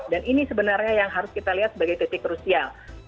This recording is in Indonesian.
dan ini sebenarnya yang harus kita lihat sebagai titik krusial